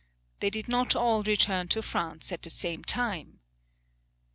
They did not all return to France at the same time.